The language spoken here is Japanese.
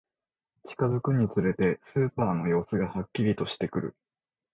近づくにつれて、スーパーの様子がはっきりとしてくる